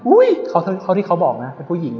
ของซากว่าคุณบอกเนอะเป็นผู้หญิง